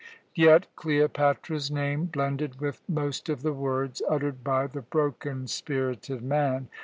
Yet Cleopatra's name blended with most of the words uttered by the broken spirited man.